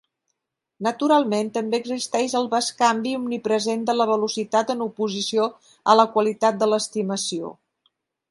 Naturalment, també existeix el bescanvi omnipresent de la velocitat en oposició a la qualitat de l'estimació.